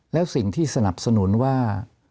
แล้วสิ่งที่สนับสนุนว่า